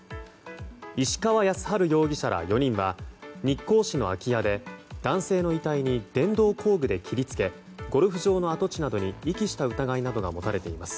石川泰治容疑者ら４人は日光市の空き家で男性の遺体に電動工具で切りつけゴルフ場の跡地などに遺棄した疑いが持たれています。